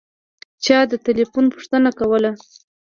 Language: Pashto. چا د تیلیفون پوښتنه کوله.